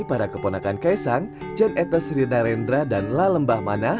pada keponakan ks jan etes rina rendra dan la lembah mana